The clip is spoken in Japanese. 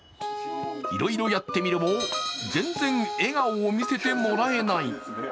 いろいろやってみるも全然笑顔を見せてもらえない。